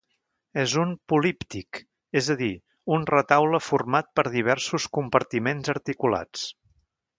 És un políptic, és a dir, un retaule format per diversos compartiments articulats.